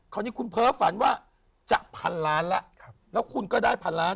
ของที่คุณเพ้อฝันว่าจากพันล้านล่ะครับแล้วคุณก็ได้พันล้าน